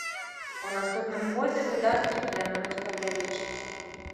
У наступным годзе выдаткі плануюць павялічыць.